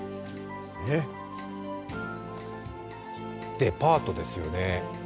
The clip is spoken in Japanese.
デパートですよね。